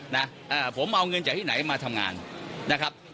เอ่อผมเอาเงินจากที่ไหนมาทำงานนะครับ